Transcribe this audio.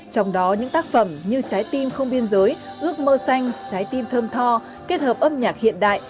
trong đó những tác phẩm như trái tim không biên giới ước mơ xanh trái tim thơm tho kết hợp âm nhạc hiện đại